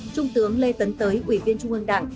trung tướng lê tấn tới ủy viên trung ương đảng